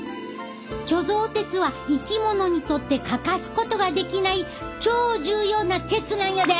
貯蔵鉄は生き物にとって欠かすことができない超重要な鉄なんやで！